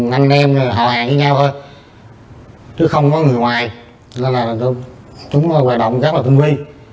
thân đêm hòa hàng với nhau thôi chứ không có người ngoài nên là chúng hoạt động rất là tinh vi